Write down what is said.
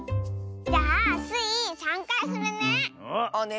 じゃあスイ３かいふるね。